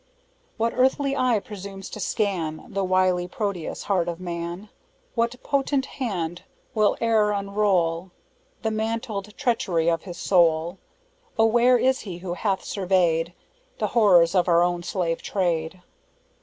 "What earthly eye presumes to scan The wily Proteus heart of man? What potent hand will e'er unroll The mantled treachery of his soul! O where is he who hath surveyed The horrors of our own 'slave trade?'